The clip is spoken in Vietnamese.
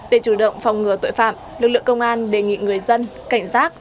để chủ động phòng ngừa tội phạm lực lượng công an đề nghị người dân cảnh giác